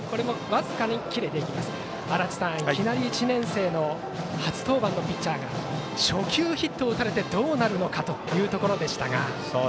足達さん、いきなり１年生の初登板のピッチャーが初球、ヒットを打たれてどうなるのかというところでした。